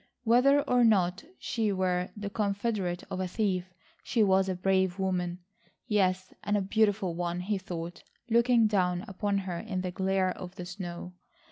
Whether or not she were the confederate of a thief she was a brave woman, yes, and a beautiful one, he thought, looking down upon her in the glare of the snow.